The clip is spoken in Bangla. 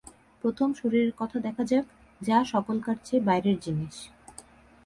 প্রথম শরীরের কথা দেখা যাক, যা সকলকার চেয়ে বাইরের জিনিষ।